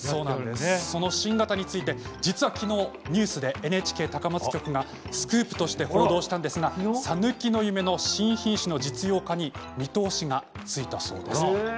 新型について実は昨日、ニュースでＮＨＫ高松局がスクープとして報道したんですがさぬきの夢の新品種の実用化に見通しがついたそうです。